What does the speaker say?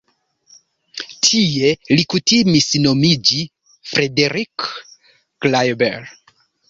Tie li kutimis nomiĝi Frederick Klaeber.